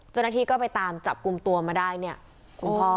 จนทีก็ไปตามจับกุมตัวมาได้เนี่ยคุณพ่อ